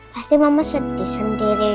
pasti mama sedih sendirian